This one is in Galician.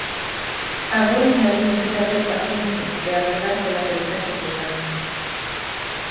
Agora en Lalín queda ter paciencia e agardar pola peritaxe dos danos.